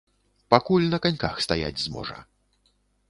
Пакуль на каньках стаяць зможа.